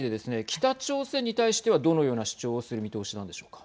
北朝鮮に対してはどのような主張をする見通しなんでしょうか。